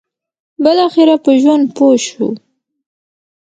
بالاخره په ژوند پوه شو.